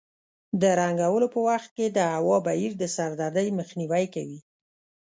د رنګولو په وخت کې د هوا بهیر د سردردۍ مخنیوی کوي.